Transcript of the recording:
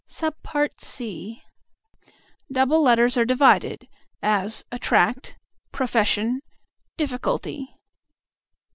(c) Double letters are divided; as "at tract," "profes sion," "dif ficulty."